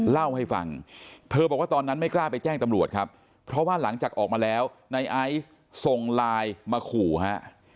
เล่าให้ฟังเธอบอกว่าตอนนั้นไม่กล้าไปแจ้งตำรวจครับเพราะว่าหลังจากออกมาแล้วในไอซ์ส่งไลน์มาขู่ฮะ